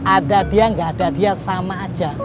ada dia nggak ada dia sama aja